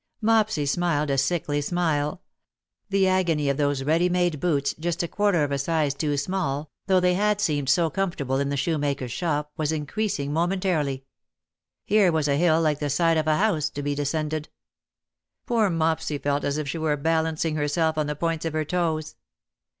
'' Mopsy smiled a sickly smile. The agony of those ready made boots, just a quarter of a size too small, though they had seemed so comfortable in the shoemaker's shop, was increasing momentarily. Here was a hill like the side of a house to be descended. Poor Mopsy felt as if she were balancing herself on the points of her toes.